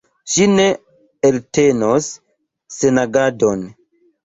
Ŝi ne eltenos senagadon.